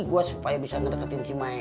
gua supaya bisa ngedeketin si maik